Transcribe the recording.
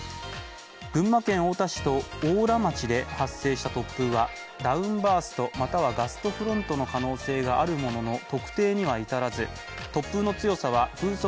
群馬県太田市と邑楽町で発生した突風はダウンバースト、またはガストフロントの可能性があるものの特定にはいたらず突風の強さは風速